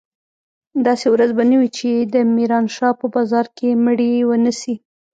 داسې ورځ به نه وي چې د ميرانشاه په بازار کښې مړي ونه سي.